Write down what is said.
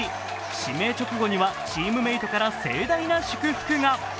指名直後にはチームメートから盛大な祝福が。